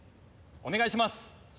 お願いします。